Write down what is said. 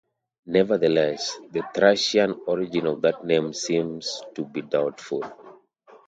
Nevertheless, the Thracian origin of that name seems to be doubtful.